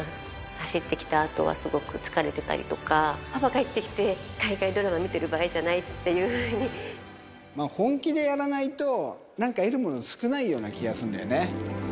走ってきたあとはすごく疲れてたりとか、パパ帰ってきて、海外ドラマ見てる場合じゃないっていう本気でやらないと、なんか得るもの少ないような気がするんだよね。